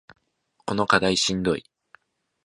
この課題しんどい